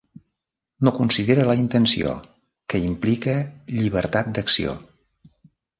No considera la intenció, que implica llibertat d'acció.